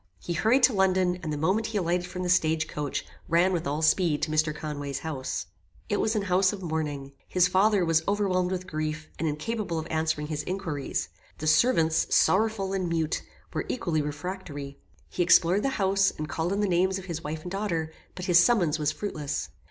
He hurried to London, and the moment he alighted from the stage coach, ran with all speed to Mr. Conway's house. "It was an house of mourning. His father was overwhelmed with grief, and incapable of answering his inquiries. The servants, sorrowful and mute, were equally refractory. He explored the house, and called on the names of his wife and daughter, but his summons was fruitless.